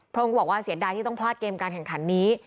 องค์ก็บอกว่าเสียดายที่ต้องพลาดเกมการแข่งขันนี้